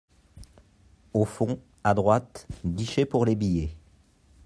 Au fond, à droite, guichet pour les billets.